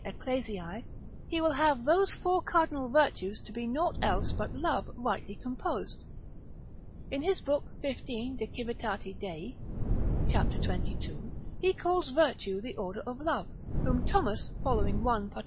Ecclesiae, he will have those four cardinal virtues to be nought else but love rightly composed; in his 15. book de civ. Dei, cap. 22. he calls virtue the order of love, whom Thomas following 1. part.